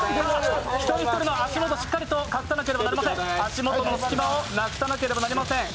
一人一人の足元、しっかりと隠さなければなりません、足元の隙間をなくさなければなりません。